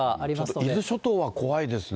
ちょっと伊豆諸島は怖いですね。